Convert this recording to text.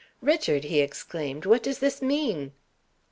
"Richard!" he exclaimed, "what does this mean?"